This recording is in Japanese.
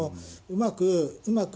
うまく、